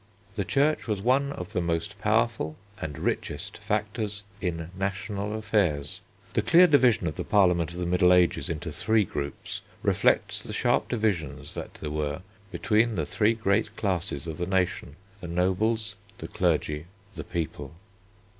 The Church was one of the most powerful and richest factors in national affairs. The clear division of the Parliament of the Middle Ages into three groups reflects the sharp divisions that there were between the three great classes of the nation the nobles, the clergy, the people.